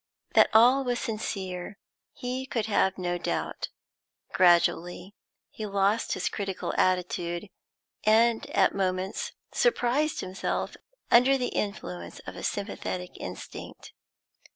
That all was sincere he could have no doubt. Gradually he lost his critical attitude, and at moments surprised himself under the influence of a sympathetic instinct.